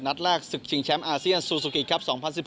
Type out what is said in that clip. นัดแรกศึกชิงแชมป์อาเซียนซูซูกิครับ๒๐๑๘